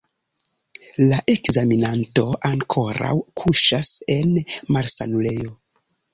La ekzaminanto ankoraŭ kuŝas en malsanulejo.